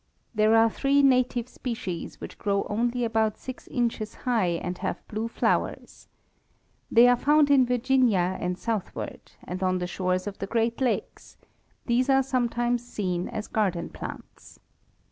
There are three native species which grow only about six inches high and have blue flowers. They are found in Virginia and southward, and on the shores of the great lakes; these are sometimes seen as garden plants.